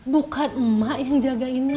bukan emak yang jagain mina